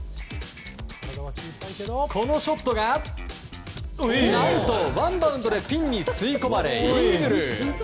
このショットが何とワンバウンドでピンに吸い込まれ、イーグル。